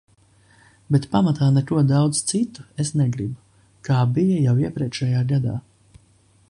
Bet pamatā neko daudz citu es negribu, kā bija jau iepriekšējā gadā.